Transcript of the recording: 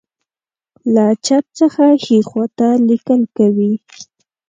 له چپ څخه ښی خواته لیکل کوي.